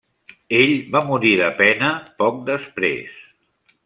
Ell va morir de pena poc després.